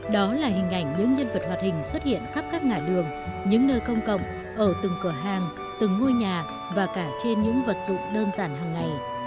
đó là hình ảnh những nhân vật hoạt hình xuất hiện khắp các ngã đường những nơi công cộng ở từng cửa hàng từng ngôi nhà và cả trên những vật dụng đơn giản hàng ngày